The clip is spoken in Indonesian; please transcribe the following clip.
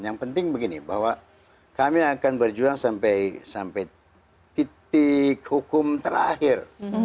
yang penting begini bahwa kami akan berjuang sampai titik hukum terakhir